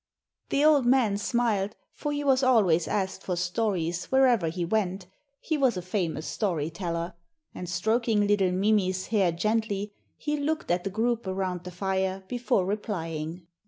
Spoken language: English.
The old man smiled, for he was always asked for stories wherever he went he was a famous story teller and, stroking little Mimi's hair gently, he looked at the group around the fire before replying.